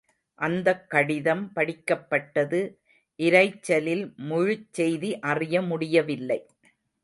அந்தக் கடிதம் படிக்கப்பட்டது இரைச்சலில் முழுச் செய்தி அறிய முடியவில்லை.